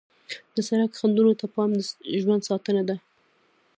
د سړک خنډونو ته پام د ژوند ساتنه ده.